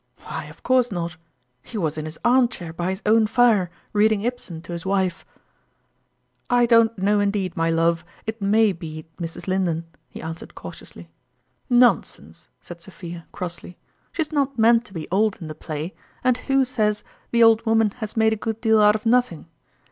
Why, of course not; he was in his arm chair by his own fire, reading Ibsen to his wife !" I don't know, indeed, my love it may be Mrs. Linden," he answered cautiously. Jhriobic HJratmnjgs. 109 " Nonsense !" said Sophia, crossly. " She's not meant to be old in the play, and who says i the old woman has made a good deal out of nothing